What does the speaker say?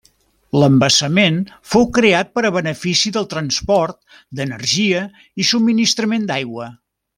L'embassament fou creat per a benefici del transport, d'energia i subministrament d'aigua.